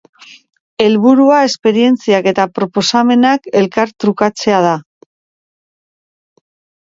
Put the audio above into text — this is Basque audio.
Helburua esperientziak eta proposamenak elkartrukatzea da.